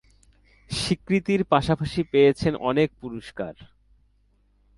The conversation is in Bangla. স্বীকৃতির পাশাপাশি পেয়েছেন অনেক পুরস্কার।